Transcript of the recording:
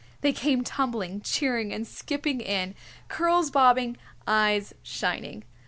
They came tumbling, cheering, and skipping in, curls bobbing, eyes shining.